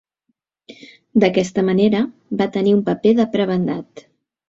D"aquesta manera, va tenir un paper de prebendat.